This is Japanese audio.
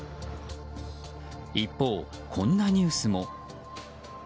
一方、こんなニュースも。